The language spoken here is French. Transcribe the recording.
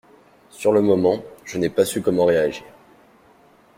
Sur le moment, je n'ai pas su comment réagir.